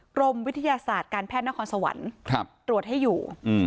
กรมวิทยาศาสตร์การแพทย์นครสวรรค์ตรวจให้อยู่